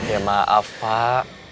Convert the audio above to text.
ya maaf pak